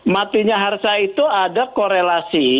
matinya harsa itu ada korelasi